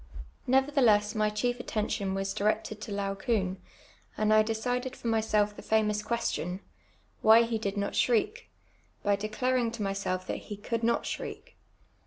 Nevertheless my chief attention was directed to Laocooa, and 1 decided for mysvlf the '"< question, why he did not shriek, by declaring to myseii mat he could not shriek.